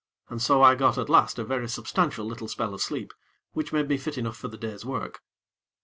And so I got at last a very substantial little spell of sleep, which made me fit enough for the day's work.